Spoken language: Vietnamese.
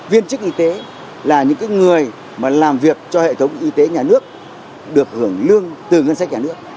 viên chức y tế là những người mà làm việc cho hệ thống y tế nhà nước được hưởng lương từ ngân sách nhà nước